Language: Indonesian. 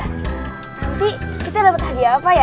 nanti kita dapat hadiah apa ya